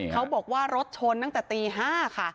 เขาบอกว่ารถชนตั้งแต่ตี๕ค่ะ